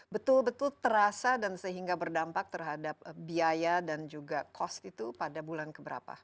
betul betul terasa dan sehingga berdampak terhadap biaya dan juga cost itu pada bulan keberapa